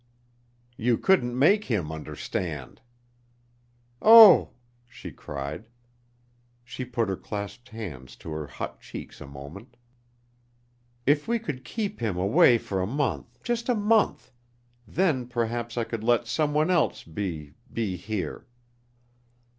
"You couldn't make him understand." "Oh!" she cried. She put her clasped hands to her hot cheeks a moment. "If we could keep him away for a month just a month. Then perhaps I could let someone else be be here."